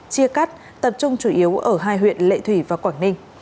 chia cắt tập trung chủ yếu ở hai huyện lệ thủy và quảng ninh